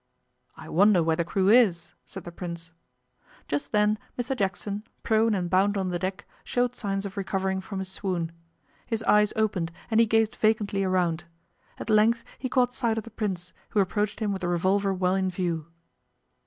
'I wonder where the crew is,' said the Prince. Just then Mr Jackson, prone and bound on the deck, showed signs of recovering from his swoon. His eyes opened, and he gazed vacantly around. At length he caught sight of the Prince, who approached him with the revolver well in view.